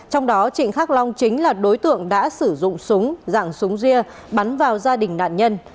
trong đó trịnh khắc long chính là đối tượng đã sử dụng súng dạng súng ria bắn vào gia đình nạn nhân